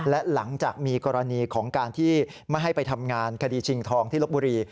และหลังจากมีกรณีของการที่ไม่ให้ไปทำงานคดีชิงทองที่ลบบุรี